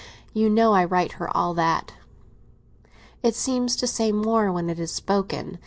You know I write her all that." "It seems to say more when it is spoken!